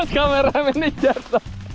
mas kameramennya jatuh